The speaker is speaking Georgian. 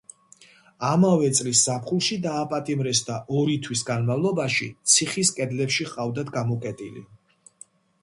ამავე წლის ზაფხულში დააპატიმრეს და ორი თვის განმავლობაში ციხის კედლებში ჰყავდათ გამოკეტილი.